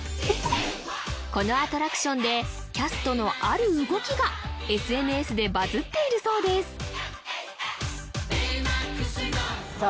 このアトラクションでキャストのある動きがＳＮＳでバズっているそうですさあ